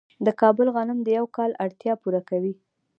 د کابل غنم د یو کال اړتیا پوره کوي.